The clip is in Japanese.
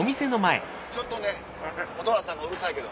ちょっと蛍原さんうるさいけど。